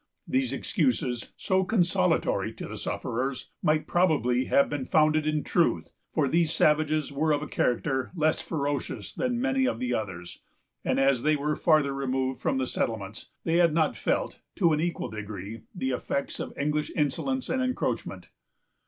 These excuses, so consolatory to the sufferers, might probably have been founded in truth, for these savages were of a character less ferocious than many of the others, and as they were farther removed from the settlements, they had not felt to an equal degree the effects of English insolence and encroachment.